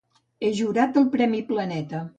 És jurat del Premi Planeta.